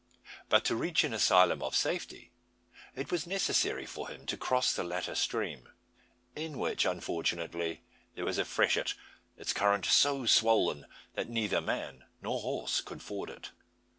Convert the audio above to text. But to reach an asylum of safety it was necessary for him to cross the latter stream; in which unfortunately there was a freshet, its current so swollen that neither man nor horse could ford it.